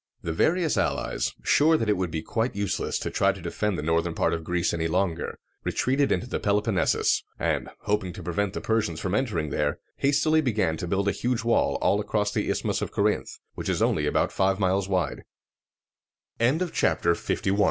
The various allies, sure that it would be quite useless to try to defend the northern part of Greece any longer, retreated into the Peloponnesus, and, hoping to prevent the Persians from entering there, hastily began to build a huge wall all across the Isthmus of Corinth, which is only about five mil